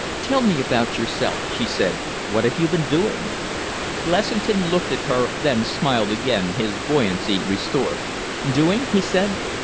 "Tell me about yourself," she said. "What have you been doing?" Blessington looked at her, then smiled again, his buoyancy restored. "Doing?" he said.